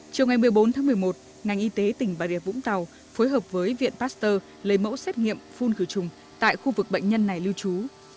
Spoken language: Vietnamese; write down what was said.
chiều ngày một mươi bốn tháng một mươi một ngành y tế tỉnh bà rịa vũng tàu phối hợp với viện pasteur lấy mẫu xét nghiệm phun khử trùng tại khu vực bệnh nhân này lưu trú